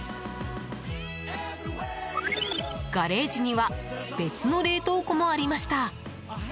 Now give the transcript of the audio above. ガレージには別の冷凍庫もありました。